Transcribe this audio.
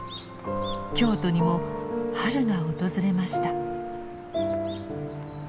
京都にも春が訪れました。